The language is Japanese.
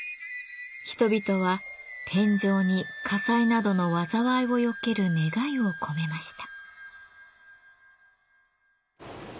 人々は天井に火災などの災いをよける願いを込めました。